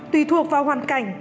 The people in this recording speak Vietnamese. tùy thuộc vào hoàn cảnh